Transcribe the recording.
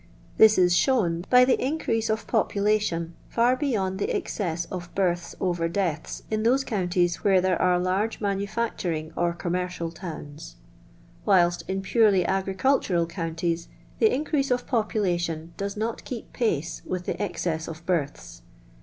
This is shown by the increase of population far beyond the excess of births over deaths in those counties where there are large manufe«turing or commercial towns; whilst in purely agricultural counties the increase of population does not keep pace with the excess of births.